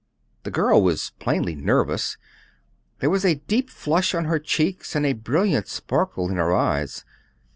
The girl was plainly nervous. There was a deep flush on her cheeks and a brilliant sparkle in her eyes.